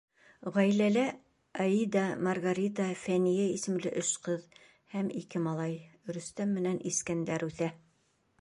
Ғаиләлә Аида, Маргарита, Фәниә исемле өс ҡыҙ һәм ике малай — Рөстәм менән Искәндәр — үҫә.